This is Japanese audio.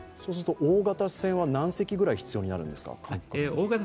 大型船は何隻ぐらい必要になるんですか。